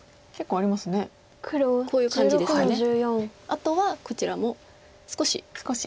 あとはこちらも少し。